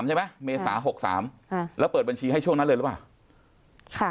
ใช่ไหมเมษา๖๓แล้วเปิดบัญชีให้ช่วงนั้นเลยหรือเปล่าค่ะ